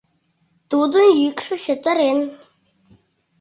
— Тудын йӱкшӧ чытырен.